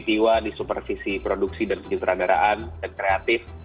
di ketua di supervisi produksi dan penyelidikan peradaraan dan kreatif